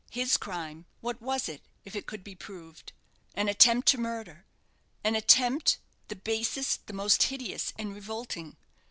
His crime what was it, if it could be proved? An attempt to murder an attempt the basest, the most hideous, and revolting.